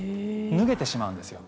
脱げてしまうんですよ。